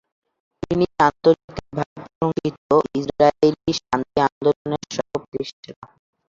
তিনি আন্তর্জাতিকভাবে প্রশংসিত ইসরায়েলি শান্তি আন্দোলনের সহ-প্রতিষ্ঠাতা।